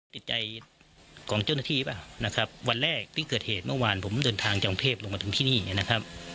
ติดใจของเจ้าหน้าที่เปล่านะครับวันแรกที่เกิดเหตุเมื่อวานผมเดินทางจากกรุงเทพลงมาถึงที่นี่นะครับ